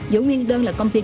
vũ nguyên đơn là công ty